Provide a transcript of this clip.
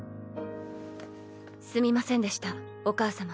すみませんでしたお母様。